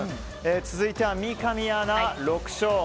続いては三上アナ６勝。